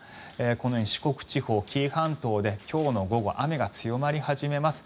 このように四国地方、紀伊半島で今日の午後雨が強まり始めます。